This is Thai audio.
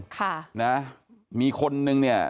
ค่ะนะมีคนนึงเนี่ย